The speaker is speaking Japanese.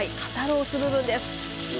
ロース部分です。